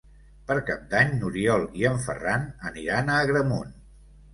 Per Cap d'Any n'Oriol i en Ferran aniran a Agramunt.